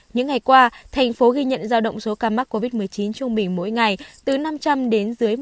những ngày qua thành phố ghi nhận giao động số ca mắc covid một mươi chín trung bình mỗi ngày từ năm trăm linh đến dưới một mươi